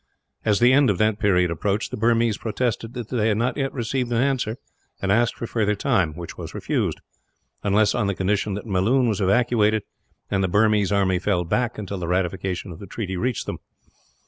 As the end of that period approached, the Burmese protested that they had not yet received an answer, and asked for further time; which was refused, unless on the condition that Melloon was evacuated, and the Burmese army fell back until the ratification of the treaty reached them.